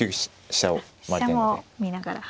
飛車を見ながら。